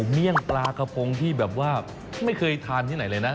เยี่ยงปลากระพงที่แบบว่าไม่เคยทานที่ไหนเลยนะ